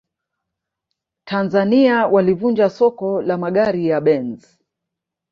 tanzania walivunja soko la magari ya benz